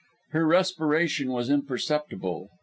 Her respiration was imperceptible.